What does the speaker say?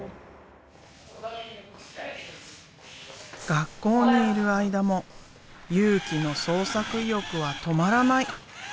学校にいる間も佑貴の創作意欲は止まらない！